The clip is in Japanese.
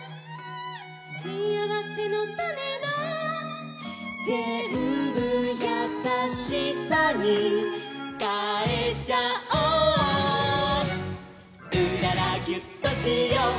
「しあわせのたねだ」「ぜんぶやさしさにかえちゃおう」「うららギュッとしよう」「」